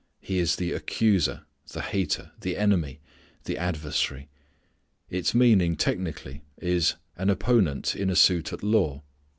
He is the accuser, the hater, the enemy, the adversary. Its meaning technically is "an opponent in a suit at law."